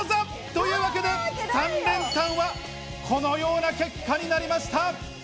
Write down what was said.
というわけで、３連単はこのような結果になりました。